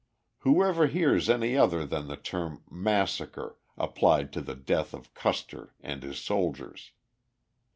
Who ever hears any other than the term "massacre" applied to the death of Custer and his soldiers?